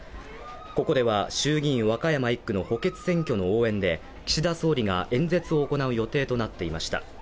ここでは衆議院和歌山１区の補欠選挙の応援で岸田総理が演説を行う予定となっていました。